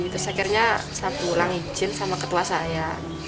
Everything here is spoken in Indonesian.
terus akhirnya saya pulang izin sama ketua saya